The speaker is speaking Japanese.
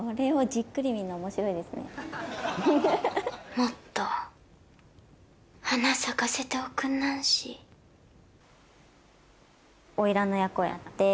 もっと花咲かせておくんなんし。をやって。